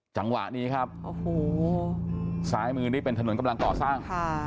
จังหวะนี้ครับสายมือนี่เป็นถนนกำลังต่อสร้าง